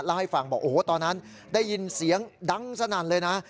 เล่าให้ฟังบอกโอ้โหตอนนั้นได้ยินเสียงดังสนั่นเลยนะ